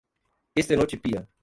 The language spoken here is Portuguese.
estenotipia